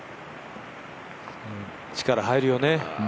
力、入るよね。